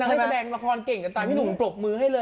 นางเล่นแสดงละครเก่งจากตอนที่หนุงปลดมือให้เลย